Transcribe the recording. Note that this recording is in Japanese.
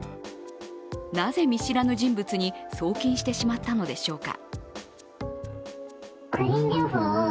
なぜ、見知らぬ人物に送金してしまったのでしょうか。